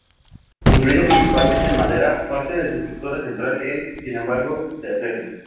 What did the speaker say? Construido principalmente en madera, parte de su estructura central es, sin embargo, de acero.